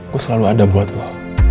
aku selalu ada buat lo